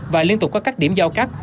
và liên tục có các điểm giao cắt